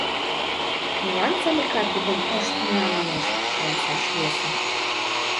Молан Салика тудым «Ош тумна» манеш, каласаш йӧсӧ.